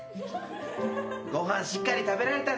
ご飯しっかり食べられたんですね。